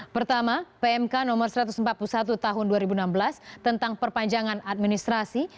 pertama pmk no satu ratus empat puluh satu tahun dua ribu enam belas tentang perpanjangan administrasi